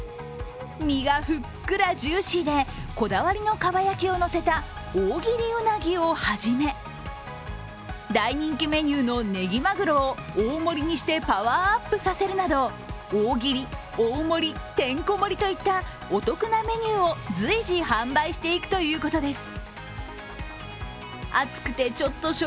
身がふっくらジューシーでこだわりのかば焼きをのせた大切りうなぎをはじめ大人気メニューのねぎまぐろを大盛りにしてパワーアップさせるなど、大切り、大盛り、てんこ盛りといったお得なメニューを随時販売していくということです。